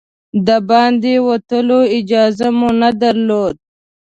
د باندې وتلو اجازه مو نه درلوده.